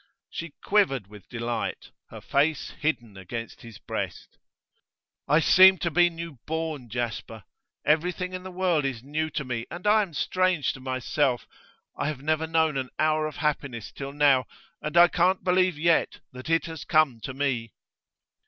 She quivered with delight, her face hidden against his breast. 'I seem to be new born, Jasper. Everything in the world is new to me, and I am strange to myself. I have never known an hour of happiness till now, and I can't believe yet that it has come to me.